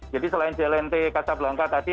jadi selain jlnt kak sablangka tadi